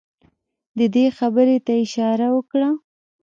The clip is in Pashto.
ده دې خبرې ته اشاره وکړه.